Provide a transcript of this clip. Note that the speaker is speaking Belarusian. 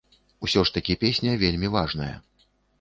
Усё ж такі песня вельмі важная.